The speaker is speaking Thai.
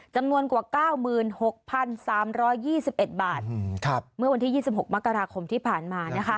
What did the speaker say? จำนวนกว่า๙๖๓๒๑บาทเมื่อวันที่๒๖มกราคมที่ผ่านมา